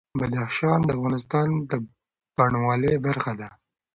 بدخشان د افغانستان د بڼوالۍ برخه ده.